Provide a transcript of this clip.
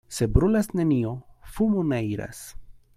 Se brulas nenio, fumo ne iras.